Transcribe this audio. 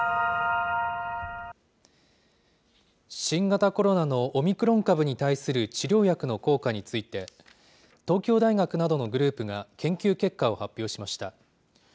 新型コロナのオミクロン株に対する治療薬の効果について、東京大学などのグループが研究結果を発表しました。